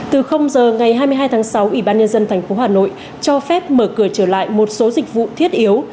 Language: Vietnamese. từ giờ ngày hai mươi hai tháng sáu ủy ban nhân dân tp hà nội cho phép mở cửa trở lại một số dịch vụ thiết yếu